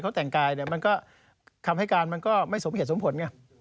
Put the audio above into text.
เขาแต่งกายคำให้การมันก็ไม่สมเหตุสมผล